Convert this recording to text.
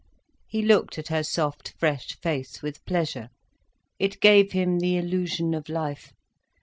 He looked at her soft, fresh face with pleasure. It gave him the illusion of life.